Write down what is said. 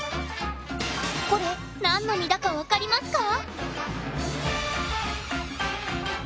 これなんの実だか分かりますか？